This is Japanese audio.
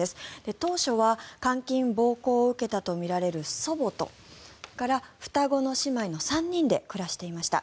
当初は監禁・暴行を受けたとみられる祖母とそれから、双子の姉妹の３人で暮らしていました。